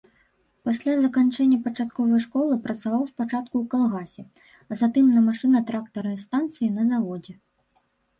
Пасля заканчэння пачатковай школы працаваў спачатку ў калгасе, затым на машынна-трактарнай станцыі, на заводзе.